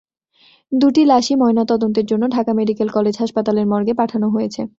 দুটি লাশই ময়নাতদন্তের জন্য ঢাকা মেডিকেল কলেজ হাসপাতালের মর্গে পাঠানো হয়েছে।